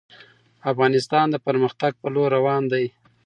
افغانستان د پرمختګ په لوري روان دی.